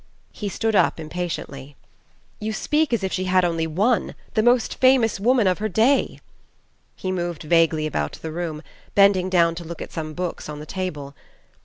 He stood up impatiently. "You speak as if she had had only one the most famous woman of her day!" He moved vaguely about the room, bending down to look at some books on the table.